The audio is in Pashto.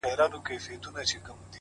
عاجزي د درناوي دروازې خلاصوي.!